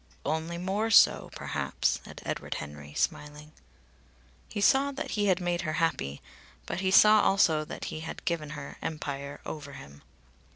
"Only more so, perhaps," said Edward Henry, smiling. He saw that he had made her happy; but he saw also that he had given her empire over him.